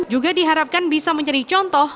juga diharapkan bisa menjadi contoh